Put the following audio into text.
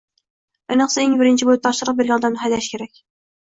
Ayniqsa eng birinchi boʻlib topshiriq bergan odamni haydash kerak.